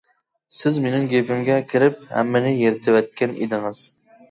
سىز مېنىڭ گېپىمگە كىرىپ ھەممىنى يىرتىۋەتكەن ئىدىڭىز.